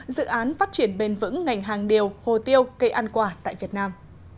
dự án phát triển bền vững ngành hàng điều hồ tiêu cây ăn quả tại việt nam